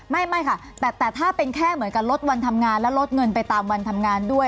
ไม่ค่ะแต่ถ้าเป็นแค่เหมือนกับลดวันทำงานและลดเงินไปตามวันทำงานด้วย